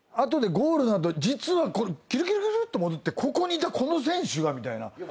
ゴールの後実はキュルキュルキュルって戻ってここにいたこの選手がみたいな。